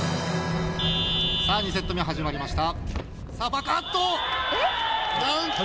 さあ、２セット目始まりました。